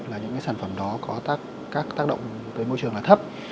là những cái sản phẩm đó có các tác động tới môi trường là thấp